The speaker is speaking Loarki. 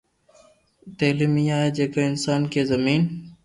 تعليم اها آهي جيڪا اسان کي زمين